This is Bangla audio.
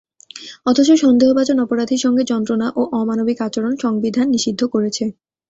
অথচ সন্দেহভাজন অপরাধীর সঙ্গে যন্ত্রণা ও অমানবিক আচরণ সংবিধান নিষিদ্ধ করেছে।